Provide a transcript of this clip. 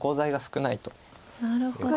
なるほど。